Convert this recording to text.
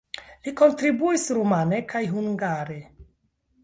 Li kontribuis rumane kaj hungare.